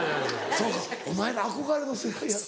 そうかお前ら憧れの世代やろ。